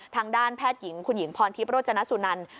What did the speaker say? ทางด้านแพทย์หญิงคุณหญิงพรทิพย์โรจนสุนัน